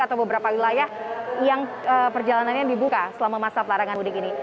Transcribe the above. atau beberapa wilayah yang perjalanannya dibuka selama masa pelarangan mudik ini